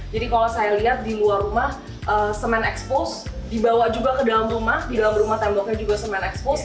jadi kalau saya lihat di luar rumah semen expose dibawa juga ke dalam rumah di dalam rumah temboknya juga semen expose